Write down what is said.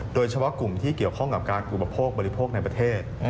โดยเฉพาะกลุ่มที่เกี่ยวข้องกับการอุปโภคบริโภคในประเทศ